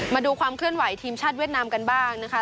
มาดูความเคลื่อนไหวทีมชาติเวียดนามกันบ้างนะคะ